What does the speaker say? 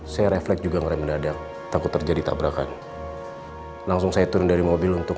saya refleks juga ngerem mendadak takut terjadi tabrakan langsung saya turun dari mobil untuk